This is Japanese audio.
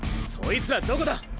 そいつらどこだ